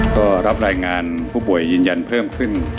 ก็รับรายงานผู้ป่วยยืนยันเพิ่มขึ้น